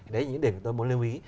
đấy là những điểm mà tôi muốn lưu ý